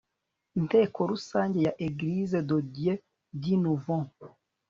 Inteko rusange ya Eglise de Dieu du Nouveau